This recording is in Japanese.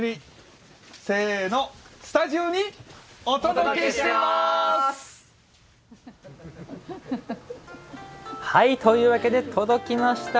スタジオにお届けしてます！というわけで、届きました。